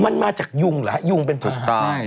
มันมาจากยุงเหรอฮะยุงเป็นถุงตาย